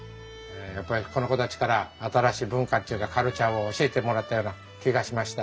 やっぱりこの子たちから新しい文化っちゅうかカルチャーを教えてもらったような気がしました。